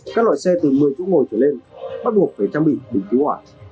các loại xe từ một mươi chỗ ngồi trở lên bắt buộc phải trang bị bình cứu hỏa